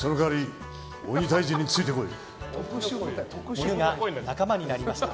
犬が仲間になりました。